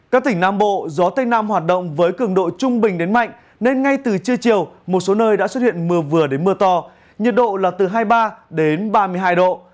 các tỉnh nam bộ gió tây nam hoạt động với cường độ trung bình đến mạnh nên ngay từ trưa chiều một số nơi đã xuất hiện mưa vừa đến mưa to nhiệt độ là từ hai mươi ba đến ba mươi hai độ